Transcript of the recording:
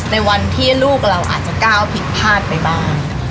ในวันที่ลูกเราอาจจะก้าวผิดพลาดไปบ้าง